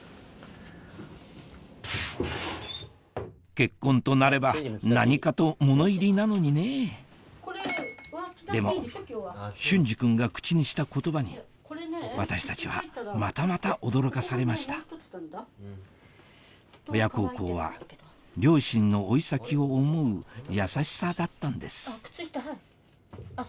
結婚となれば何かと物入りなのにねぇでも隼司君が口にした言葉に私たちはまたまた驚かされました親孝行は両親の老い先を思う優しさだったんです